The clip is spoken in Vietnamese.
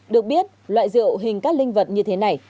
được biết loại rượu hình các linh vật như thế này